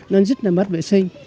nó rất là mất vệ sinh